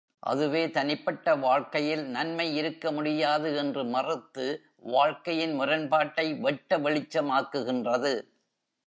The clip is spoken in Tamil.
அதுவே தனிப்பட்ட வாழ்க்கையில் நன்மை இருக்க முடியாது என்று மறுத்து, வாழ்க்கையின் முரண்பாட்டை வெட்ட வெளிச்சமாக்குகின்றது.